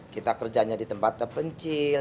kita kerjanya di tempat terpencil